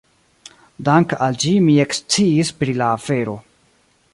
Dank' al ĝi mi eksciis pri la afero.